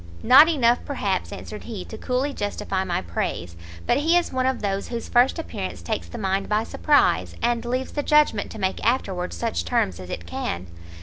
"Not enough, perhaps," answered he, "to coolly justify my praise; but he is one of those whose first appearance takes the mind by surprise, and leaves the judgment to make afterwards such terms as it can.